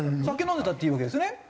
酒飲んでたっていいわけですよね？